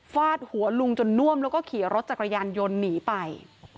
ฟาดหัวลุงจนน่วมแล้วก็ขี่รถจักรยานยนต์หนีไป